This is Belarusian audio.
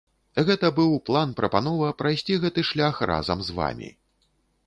Гэта быў план-прапанова прайсці гэты шлях разам з вамі.